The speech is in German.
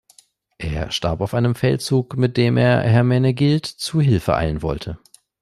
Er starb auf einem Feldzug, mit dem er Hermenegild zu Hilfe eilen wollte.